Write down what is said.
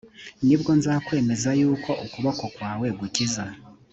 ni bwo nzakwemera yuko ukuboko kwawe gukiza